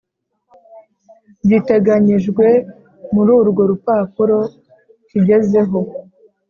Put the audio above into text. giteganyijwe muri urwo rupapuro kigezeho